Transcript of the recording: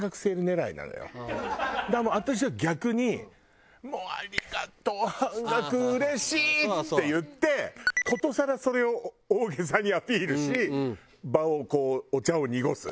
だから私は逆に「もうありがとう！半額うれしい！」って言ってことさらそれを大げさにアピールし場をこうお茶を濁す。